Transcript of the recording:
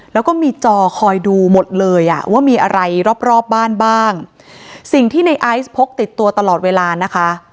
แล้วก็มีจอคอยดูหมดเลยอ่ะว่ามีอะไรรอบรอบบ้านบ้างสิ่งที่ในไอซ์พกติดตัวตลอดเวลานะคะ